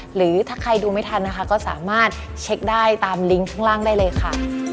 หรือถ้าใครดูไม่ทันนะคะก็สามารถเช็คได้ตามลิงก์ข้างล่างได้เลยค่ะ